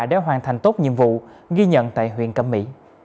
để hoàn thành tốt nhiệm vụ ghi nhận tại huyện cẩm mỹ